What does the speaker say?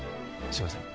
すいません